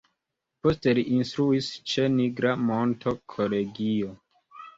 Poste li instruis ĉe Nigra Monto Kolegio.